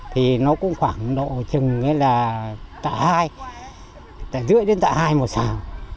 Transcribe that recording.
thì nó cũng khoảng độ chừng là tạ hai tạ rưỡi đến tạ hai một sản